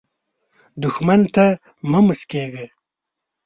دښمن ته مه مسکېږه